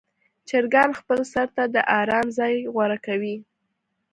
چرګان خپل سر ته د آرام ځای غوره کوي.